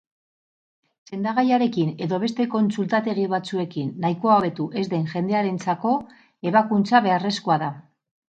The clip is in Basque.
Sendagaiarekin edo beste kontsultategi batzuekin nahikoa hobetu ez den jendearentzako ebakuntza beharrezkoa da.